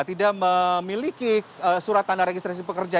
tidak memiliki surat tanda registrasi pekerja